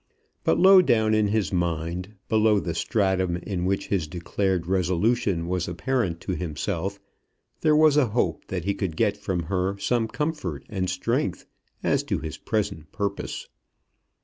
But low down in his mind, below the stratum in which his declared resolution was apparent to himself, there was a hope that he might get from her some comfort and strength as to his present purpose.